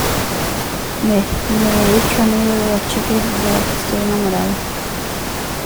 me, me he hecho amigo de la chica de la que estoy enamorado